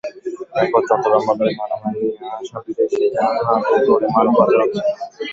এখন চট্টগ্রাম বন্দরে মালামাল নিয়ে আসা বিদেশি জাহাজে করে মানব পাচার হচ্ছে।